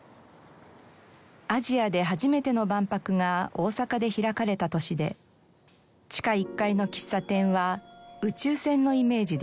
アジアで初めての万博が大阪で開かれた年で地下１階の喫茶店は宇宙船のイメージです。